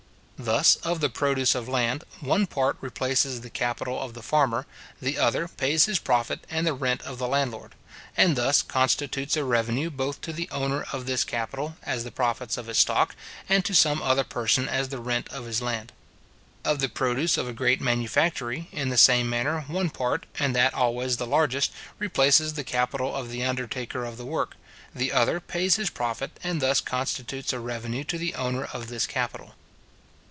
Thus, of the produce of land, one part replaces the capital of the farmer; the other pays his profit and the rent of the landlord; and thus constitutes a revenue both to the owner of this capital, as the profits of his stock, and to some other person as the rent of his land. Of the produce of a great manufactory, in the same manner, one part, and that always the largest, replaces the capital of the undertaker of the work; the other pays his profit, and thus constitutes a revenue to the owner of this capital.